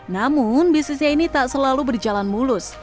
namun bisnisnya ini tak selalu berjalan mulus